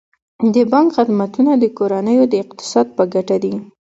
د بانک خدمتونه د کورنیو د اقتصاد په ګټه دي.